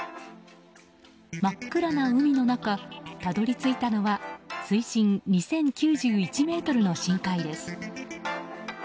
真っ暗な海の中たどり着いたのは水深２０９１ｍの深海です。